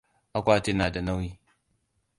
Akwatin na da nauyi.